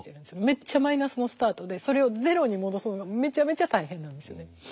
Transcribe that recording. めっちゃマイナスのスタートでそれをゼロに戻すのがめちゃめちゃ大変なんですよね。